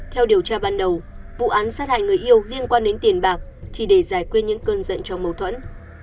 theo điều tra ban đầu vụ án sát hại người yêu liên quan đến tiền bạc chỉ để giải quyết những cơn giận trong mâu thuẫn